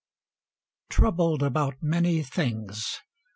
"TROUBLED ABOUT MANY THINGS."